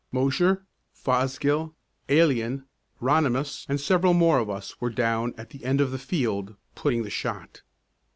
Mosher, Fosgill, Alien, Ronimus, and several more of us were down at the end of the field putting the shot.